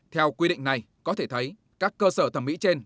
theo quy định này có thể thấy các cơ sở thẩm mỹ trên